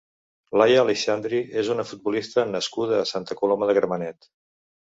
Laia Aleixandri és una futbolista nascuda a Santa Coloma de Gramenet.